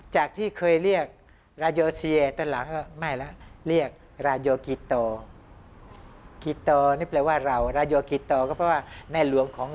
จากที่เคยเรียกราโยเซียตั้งหลัง